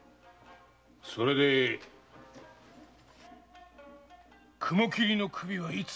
それで雲切の首はいつ？